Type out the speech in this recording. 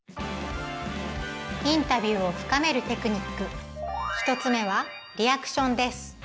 インタビューを深めるテクニック１つ目は「リアクション」です。